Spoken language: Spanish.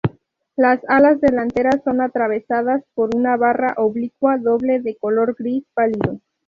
Las alas delanteras son atravesadas por una barra oblicua doble de color gris pálido.